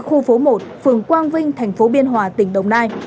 khu phố một phường quang vinh thành phố biên hòa tỉnh đồng nai